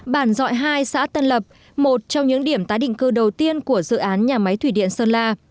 bản dọi hai xã tân lập một trong những điểm tái định cư đầu tiên của dự án nhà máy thủy điện sơn la